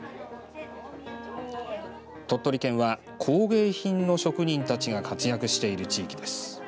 鳥取県は、工芸品の職人たちが活躍している地域です。